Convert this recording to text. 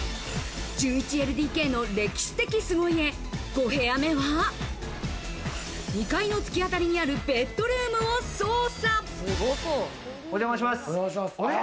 １１ＬＤＫの歴史的凄家、５部屋目は、２階の突き当たりにあるベッドルームを捜査。